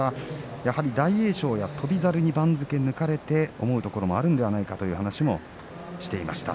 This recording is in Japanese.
大栄翔、翔猿に番付を抜かれて思うところもあるんじゃないかという話をしていました。